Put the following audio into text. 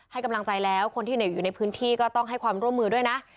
ให้กำลังใจแล้วคนที่อยู่ในพื้นที่ก็ต้องให้ความร่วมมือด้วยนะ